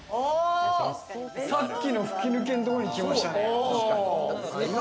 さっきの吹き抜けのところにきましたね。